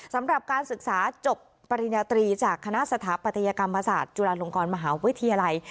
สำหรับการศึกษาจบปริญญาตรีจากคณะสถาปัตยกรรมศาสตร์จุฬาลงกรมหาวิทยาลัย